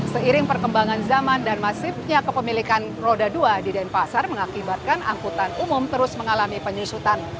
seiring perkembangan zaman dan masifnya kepemilikan roda dua di denpasar mengakibatkan angkutan umum terus mengalami penyusutan